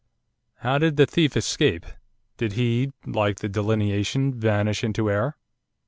How did the thief escape, did he, like the delineation, vanish into air?